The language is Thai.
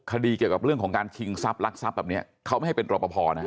เกี่ยวกับเรื่องของการชิงทรัพย์แบบนี้เขาไม่ให้เป็นรอปภนะ